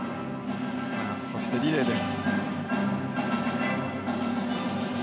そして、リレーです。